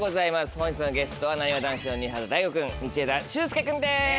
本日のゲストはなにわ男子の西畑大吾君道枝駿佑君です。